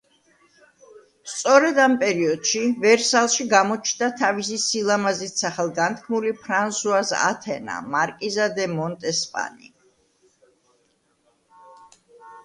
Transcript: სწორედ ამ პერიოდში, ვერსალში გამოჩნდა თავისი სილამაზით სახელგანთქმული ფრანსუაზ ათენა, მარკიზა დე მონტესპანი.